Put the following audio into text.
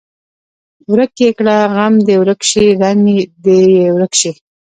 ورک یې کړه غم دې ورک شي رنګ دې یې ورک شي.